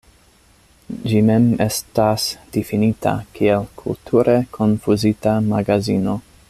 Ĝi mem estas difinita kiel "kulture konfuzita magazino".